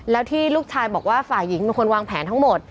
แล้วที่ลูกชายบอกว่าฝ่ายหญิงเป็นคนวางแผนทั้งหมด